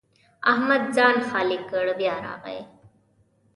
احمد ځان خالي کړ؛ بیا راغی.